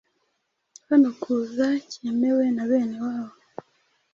Hano kuza cyemewe na bene wabo